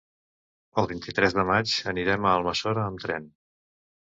El vint-i-tres de maig anirem a Almassora amb tren.